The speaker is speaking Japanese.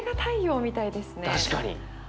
確かに。